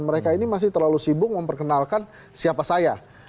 mereka ini masih terlalu sibuk memperkenalkan siapa saya